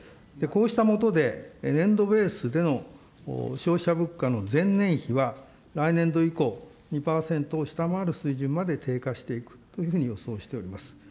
こうしたもとで、年度ベースでの消費者物価の前年比は来年度以降、２％を下回る水準まで低下していくというふうに予想しております。